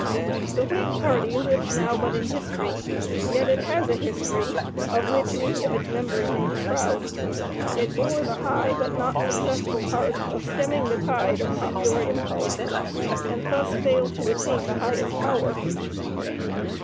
The Whig party lives now but in history, yet it has a history of which any of its members may be proud. It bore the high but not successful part of stemming the tide of popular impulse, and thus failed to attain the highest power.